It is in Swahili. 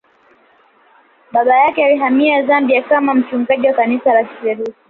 Baba yake alihamia Zambia kama mchungaji wa kanisa la Kilutheri